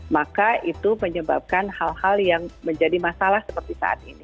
maka itu menyebabkan hal hal yang menjadi masalah seperti saat ini